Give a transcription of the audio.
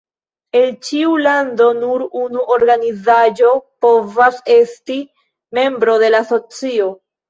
El ĉiu lando nur unu organizaĵo povas esti membro de la asocio.